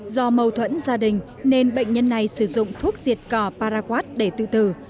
do mâu thuẫn gia đình nên bệnh nhân này sử dụng thuốc diệt cỏ paraguat để tự tử